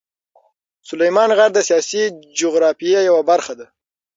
سلیمان غر د سیاسي جغرافیه یوه برخه ده.